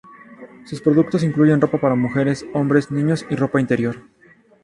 Sus productos incluyen ropa para mujeres, hombres, niños y ropa interior.